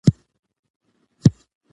کوچنیو شیانو ته باید ځان خپه نه کړي.